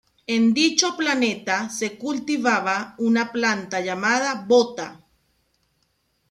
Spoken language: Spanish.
En dicho planeta se cultivaba una planta llamada bota.